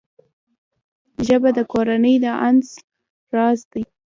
ژبه د کورنۍ د انس راز دی